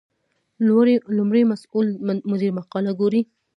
لومړی مسؤل مدیر مقاله ګوري.